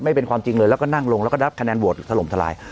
ไม่เป็นความจริงเลยแล้วก็นั่งลงแล้วก็นับคะแนนโหวตถล่มทลาย